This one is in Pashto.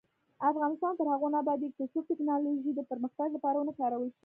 افغانستان تر هغو نه ابادیږي، ترڅو ټیکنالوژي د پرمختګ لپاره ونه کارول شي.